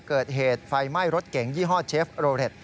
เกิดเหตุไฟไหม้รถเก๋งยี่ห้อเชฟโรเล็ต